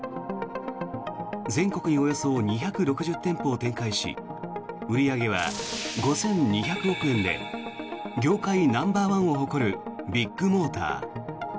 全国におよそ２６０店舗を展開し売り上げは５２００億円で業界ナンバーワンを誇るビッグモーター。